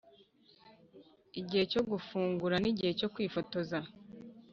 igihe cyo gufungura nigihe cyo kwifotoza.